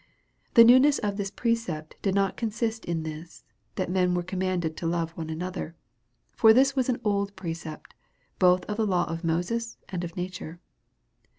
The newness of this precept did not consist in this, that men were commanded to love one another: for this was an old precept, both of the law of Moses and of nature.